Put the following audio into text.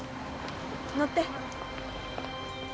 乗って。